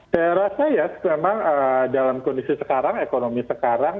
saya rasa ya memang dalam kondisi sekarang ekonomi sekarang